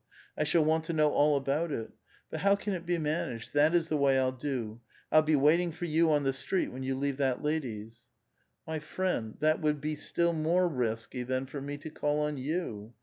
I shall want to know all about it. But how can it be managed ? This is the way I'll do ; I'll be waiting for you on the street when you leave that lady's." " My friend, that would be still more risky than for me to call on you.